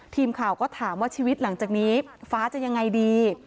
ทีมข่าวก็ถามว่าชีวิตหลังจากนี้ฟ้าจะยังไงดี